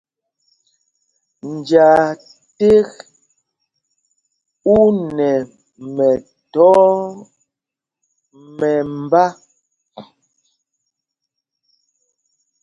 Njāā ték ú nɛ mɛthɔɔ mɛmbá.